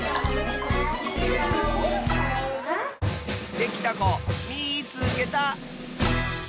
できたこみいつけた！